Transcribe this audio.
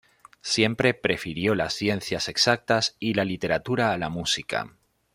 Siempre prefirió las ciencias exactas y la literatura a la música.